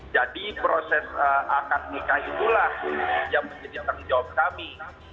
jadi proses akademikah itulah yang menjadi tanggung jawab kami